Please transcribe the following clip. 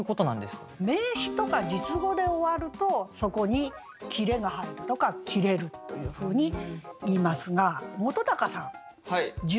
名詞とか述語で終わるとそこに切れが入るとか切れるというふうにいいますが本さん述語って知ってますよね？